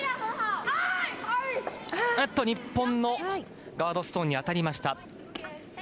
日本のガードストーンに当たりました。